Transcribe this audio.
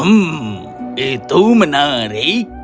hmm itu menarik